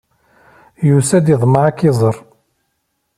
Yusa-d, yeḍmeɛ ad k-iẓer.